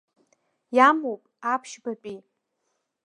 Иамоуп, аԥшьбатәи.